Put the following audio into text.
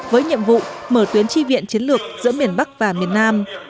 với nhiệm vụ mở tuyến chi viện chiến lược giữa miền bắc và miền nam